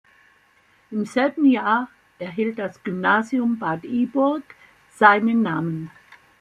Im selben Jahr erhielt das Gymnasium Bad Iburg seinen Namen.